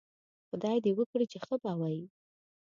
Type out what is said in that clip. خدای دې وکړي چې ښه به وئ